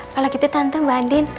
kalau gitu tante mbak andin